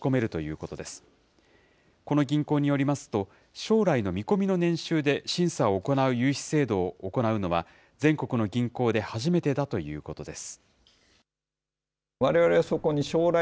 この銀行によりますと、将来の見込みの年収で審査を行う融資制度を行うのは、全国の銀行で初めてだということです。